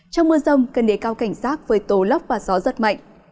trong mưa rông cơn đế cao cảnh rác với tố lấp và gió rất mạnh